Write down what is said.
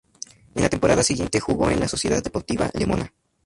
En la temporada siguiente jugó en la Sociedad Deportiva Lemona.